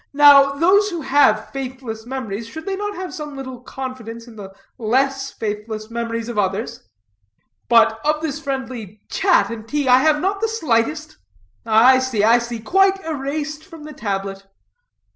Now, those who have faithless memories, should they not have some little confidence in the less faithless memories of others?" "But, of this friendly chat and tea, I have not the slightest " "I see, I see; quite erased from the tablet.